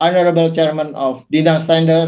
pertama pertama ketua dinas standard